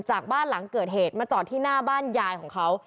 จากบ้านหลังเกิดเหตุมาจอดที่หน้าบ้านยายของเขา